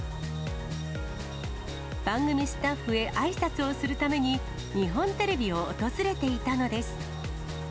番組スタッフへあいさつをするために、日本テレビを訪れていたのです。